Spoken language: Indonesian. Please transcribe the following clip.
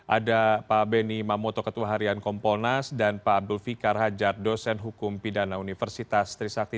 ada pak beni mamoto ketua harian kompolnas dan pak abdul fikar hajar dosen hukum pidana universitas trisakti